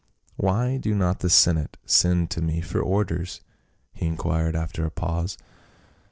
" Why do not the senate send to me for orders ?" he inquired after a pause.